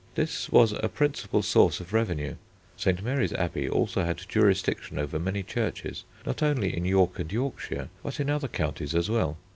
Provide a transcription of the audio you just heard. This was a principal source of revenue. St. Mary's Abbey also had jurisdiction over many churches, not only in York and Yorkshire, but in other counties as well.